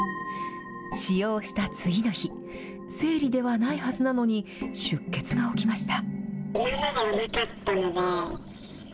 使用した次の日生理ではないはずなのに出血が起きました。